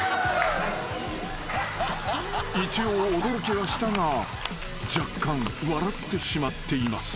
［一応驚きはしたが若干笑ってしまっています］